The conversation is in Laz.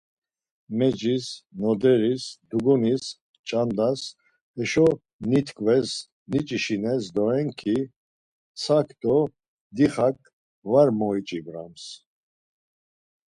Mecis, noderis, dugunis, ç̌andas heşo nitkves niç̌işines doren ki, ntsak do dixak var moiç̌ibrams.